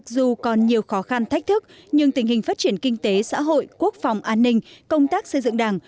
dù còn nhiều khó khăn thách thức nhưng tình hình phát triển kinh tế xã hội quốc phòng an ninh công tác xây dựng đảng